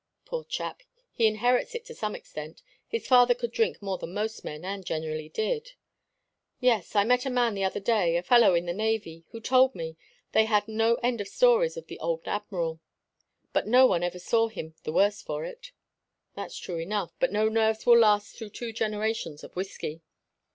"Poor chap! He inherits it to some extent. His father could drink more than most men, and generally did." "Yes. I met a man the other day a fellow in the Navy who told me they had no end of stories of the old Admiral. But no one ever saw him the worse for it." "That's true enough. But no nerves will last through two generations of whiskey."